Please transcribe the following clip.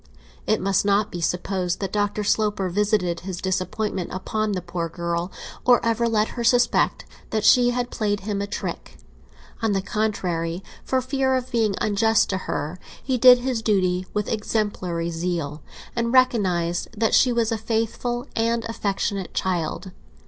It must not be supposed that Dr. Sloper visited his disappointment upon the poor girl, or ever let her suspect that she had played him a trick. On the contrary, for fear of being unjust to her, he did his duty with exemplary zeal, and recognised that she was a faithful and affectionate child.